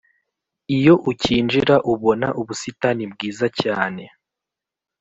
Iyo ucyinjira ubona ubusitani bwiza cyane